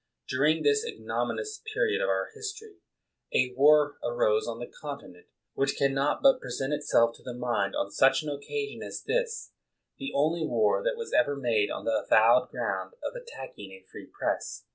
During this ignominious period of our history', a war arose on the continent, which can not but present itself to the mind on such an occasion as this ; the only war that was ever made on the avowed ground of attacking a free Press.